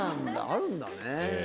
あるんだね。